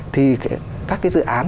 thì các cái dự án